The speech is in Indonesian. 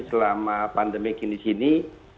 selama pandemi kini kini